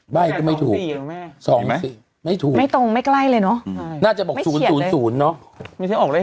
ใบ้ก็ไม่ถูก๒๔ไม่ถูกไม่ตรงไม่ใกล้เลยเนาะไม่เฉียนเลยน่าจะบอก๐๐๐เนาะ